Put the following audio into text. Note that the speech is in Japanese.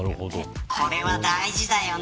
これは大事だよね。